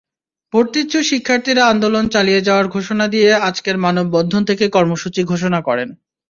ভর্তিচ্ছু শিক্ষার্থীরা আন্দোলন চালিয়ে যাওয়ার ঘোষণা দিয়ে আজকের মানববন্ধন থেকে কর্মসূচি ঘোষণা করেন।